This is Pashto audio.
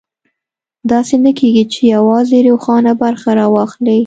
داسې نه کېږي چې یوازې روښانه برخه راواخلي.